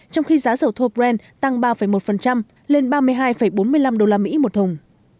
trong khi giá dầu thô brent tăng ba một lên ba mươi hai bốn mươi năm usd một thùng